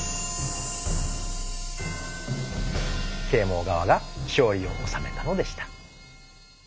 啓蒙側が勝利を収めたのでした。